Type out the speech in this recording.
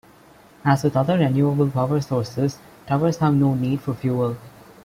As with other renewable power sources, towers have no need for fuel.